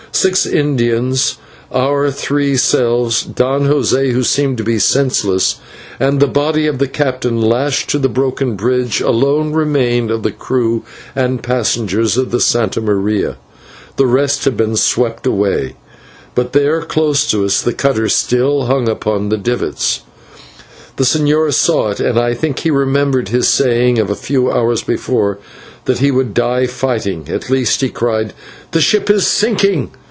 Six Indians, our three selves, Don José, who seemed to be senseless, and the body of the captain lashed to the broken bridge, alone remained of the crew and passengers of the /Santa Maria/. The rest had been swept away, but there close to us the cutter still hung upon the davits. The señor saw it, and I think that he remembered his saying of a few hours before, that he would die fighting; at least he cried: "The ship is sinking.